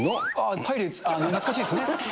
パイレーツ、懐かしいですね。